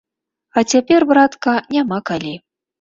А цяпер, братка, няма калі.